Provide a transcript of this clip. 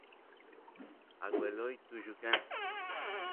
agueloy tullu kan